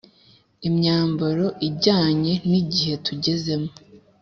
imyambaro ijyanye n igihe tugezemo